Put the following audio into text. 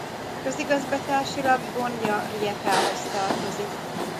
Közigazgatásilag Gornja Rijekához tartozik.